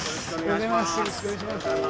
よろしくお願いします。